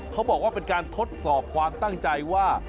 เขาบอกว่าเป็นการทดสอบความตั้งใจว่า